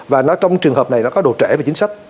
và trong trường hợp này nó có đồ trễ về chính sách